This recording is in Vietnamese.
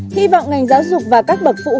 hy vọng ngành giáo dục và các bậc phụ